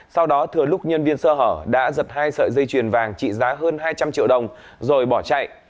sau đó thừa lúc nhân viên sơ hở đã giật hai sợi dây chuyền vàng trị giá hơn hai trăm linh triệu đồng rồi bỏ chạy